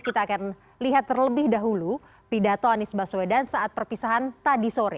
kita akan lihat terlebih dahulu pidato anies baswedan saat perpisahan tadi sore